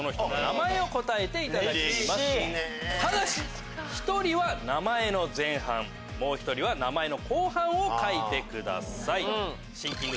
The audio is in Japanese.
ただし１人は名前の前半もう１人は名前の後半を書いてください。